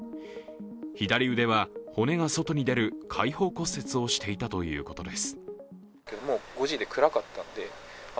左腕は骨が外に出る開放骨折をしていたということです。